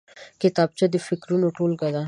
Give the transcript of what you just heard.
کتابچه د فکرونو ټولګه ده